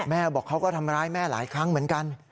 บอกเขาก็ทำร้ายแม่หลายครั้งเหมือนกัน